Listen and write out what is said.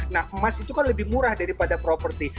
nah emas itu kan lebih murah daripada properti